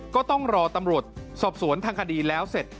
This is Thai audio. ก็ต้องรอตำรวจสอบสวนทางคดีแล้วเสร็จ